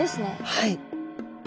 はい。